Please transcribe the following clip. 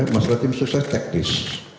masalah tim sukses teknis